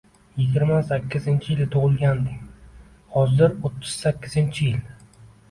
Yigirma sakkizinchi yili tugʻilganding. Hozir oʻttiz sakkizinchi yil.